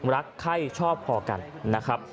รักไข้ชอบพอกันนะครับ